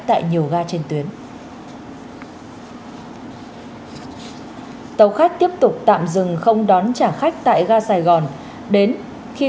tại nhiều ga trên tuyến tàu khách tiếp tục tạm dừng không đón trả khách tại ga sài gòn đến khi